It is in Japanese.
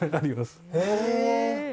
へえ